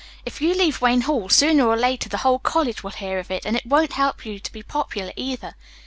If you leave Wayne Hall, sooner or later the whole college will hear of it and it won't help you to be popular, either.